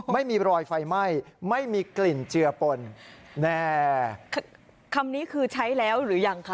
ไม่มีรอยไฟไหม้ไม่มีกลิ่นเจือปนแน่คำนี้คือใช้แล้วหรือยังคะ